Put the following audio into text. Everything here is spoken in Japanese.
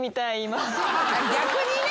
逆にね。